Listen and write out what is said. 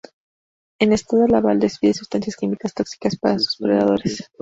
En estado larval despide sustancias químicas tóxicas para sus predadores.